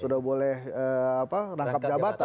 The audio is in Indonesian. sudah boleh rangkap jabatan